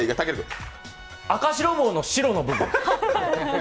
赤白帽の白の部分？